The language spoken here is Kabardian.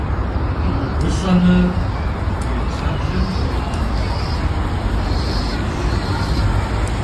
УлӀэмэ, уи кхъаблэм щӀэувэн щӀэблэ уимыӀэныр Ӏейщ.